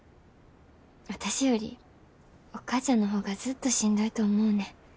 私よりお母ちゃんの方がずっとしんどいと思うねん。